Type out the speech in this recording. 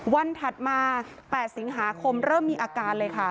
ถัดมา๘สิงหาคมเริ่มมีอาการเลยค่ะ